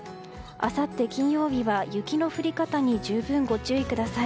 あさって金曜日は雪の降り方に十分ご注意ください。